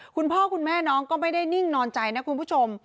คุณพ่อคุณแม่น้องก็ไม่ได้นิ่งนอนใจนะคุณผู้ชม